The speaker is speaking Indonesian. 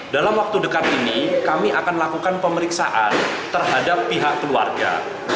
dalam waktu dekat ini kami akan lakukan pemeriksaan terhadap pihak keluarga